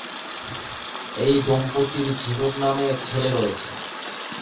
এই দম্পতির ঝিনুক নামে এক ছেলে রয়েছে।